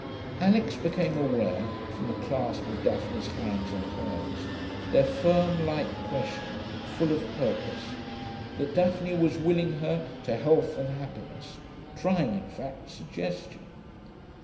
Alix became aware, from the clasp of Daphne's hands on hers, their firm, light pressure, full of purpose, that Daphne was willing her to health and happiness, trying, in fact, suggestion.